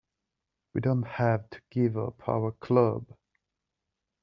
We don't have to give up our club.